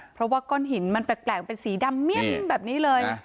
เพราะว่าก้อนหินมันแปลกเป็นสีดำเมียมแบบนี้เลย